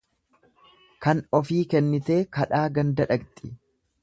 Kan ofii kennitee kadhaa ganda dhaqxi.